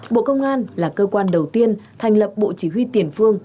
bộ công an là cơ quan đầu tiên thành lập bộ chỉ huy tiền phương